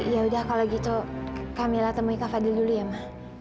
yaudah kalau gitu kamila temui kak fadil dulu ya mak